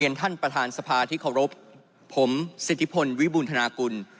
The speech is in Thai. ท่านประธานสภาที่เคารพผมสิทธิพลวิบูรณธนากุล